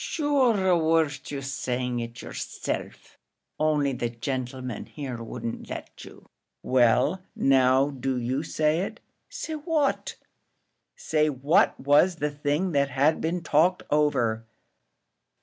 Shure weren't you saying it yourself, only the gentleman here wouldn't let you." "Well, now do you say it." "Say what?" "Say what was the thing that had been talked over."